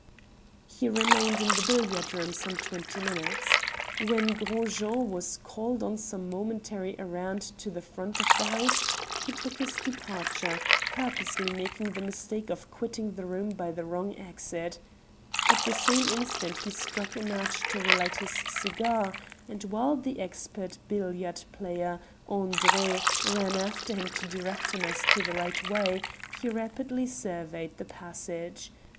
He remained in the billiard room some twenty minutes. When Gros Jean was called on some momentary errand to the front of the house he took his departure, purposely making the mistake of quitting the room by the wrong exit. At the same instant he struck a match to relight his cigar, and while the expert billiard player, André, ran after him to direct him as to the right way he rapidly surveyed the passage.